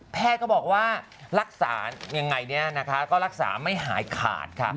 ก็บอกว่ารักษายังไงเนี่ยนะคะก็รักษาไม่หายขาดค่ะ